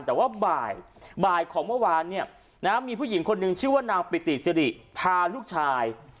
แต่ว่าบ่ายของเมื่อวานเนี่ยนะมีผู้หญิงคนหนึ่งชื่อว่านางปิติสิริพาลูกชาย